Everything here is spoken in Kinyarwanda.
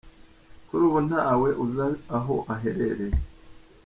Kuri ubu ntawe uzi aho aherereye.